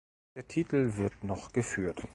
Der Titel wird noch geführt.